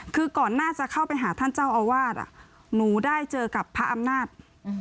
คือก่อนหน้าจะเข้าไปหาท่านเจ้าอาวาสหนูได้เจอกับพระอำนาจ